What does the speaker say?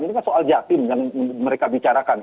ini kan soal jatim yang mereka bicarakan